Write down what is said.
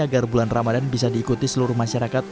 agar bulan ramadan bisa diikuti seluruh masyarakat